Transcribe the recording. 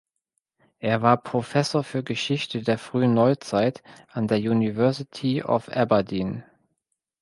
Er war Professor für Geschichte der Frühen Neuzeit an der University of Aberdeen.